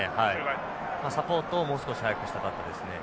サポートをもう少し早くしたかったですね。